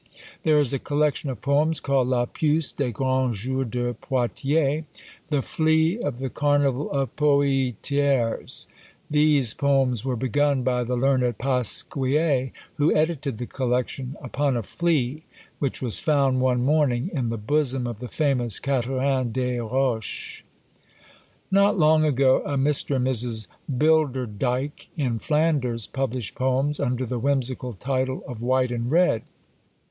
There is a collection of poems called "La PUCE des grands jours de Poitiers." "The FLEA of the carnival of Poietiers." These poems were begun by the learned Pasquier, who edited the collection, upon a FLEA which was found one morning in the bosom of the famous Catherine des Roches! Not long ago, a Mr. and Mrs. Bilderdyk, in Flanders, published poems under the whimsical title of "White and Red."